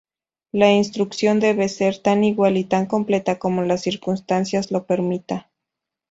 La instrucción debe ser tan igual y tan completa como las circunstancias lo permita.